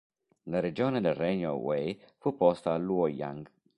La capitale del regno Wei fu posta a Luoyang.